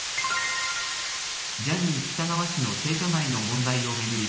ジャニー喜多川氏の性加害の問題を巡り